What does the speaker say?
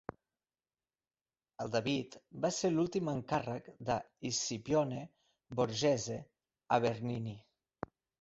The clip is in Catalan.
El "David" va ser l'últim encàrrec de Scipione Borghese a Bernini.